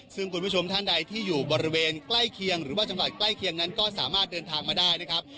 ซึ่งคุณผู้ชมท่านใดที่อยู่บริเวณใกล้เคียงหรือว่าจังหวัดใกล้เคียงนั้นก็สามารถเดินทางมาได้นะครับ